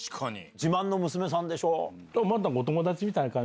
自慢の娘さんでしょ？